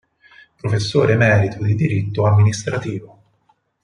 Professore emerito di diritto amministrativo.